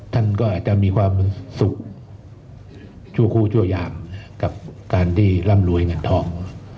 ท่านก็อาจจะมีความสุขชั่วคู่ชั่วยามกับการที่ร่ำรวยเงินทอง